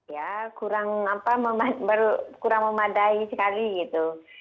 ya kurang memadai sekali gitu